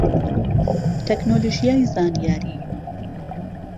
تەکنۆلۆژیای زانیاری